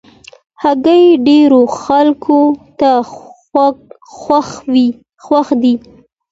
هګۍ ډېرو خلکو ته خوښ دي.